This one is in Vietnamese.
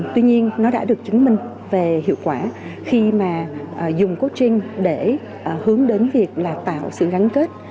tuy nhiên nó đã được chứng minh về hiệu quả khi mà dùng coaching để hướng đến việc tạo sự gắn kết